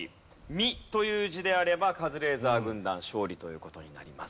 「実」という字であればカズレーザー軍団勝利という事になります。